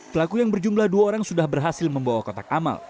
pelaku yang berjumlah dua orang sudah berhasil membawa kotak amal